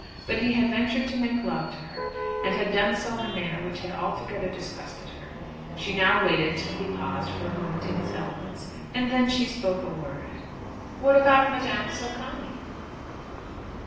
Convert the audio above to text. But he had ventured to make love to her, and had done so in a manner which had altogether disgusted her. She now waited till he paused for a moment in his eloquence, and then she spoke a word. "What about Madame Socani?"